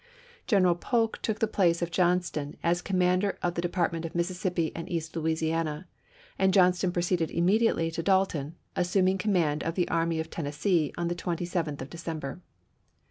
General Polk took the place of Johnston as com mander of the Department of Mississippi and East Louisiana; and Johnston proceeded immediately to Dalton, assuming command of the Army of Ten nessee on the 27th of December.